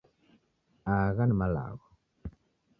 Agha ni malagho